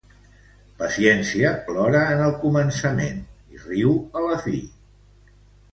Paciència plora en el començament i riu a la fi.